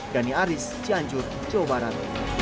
gani aris cianjur jawa barat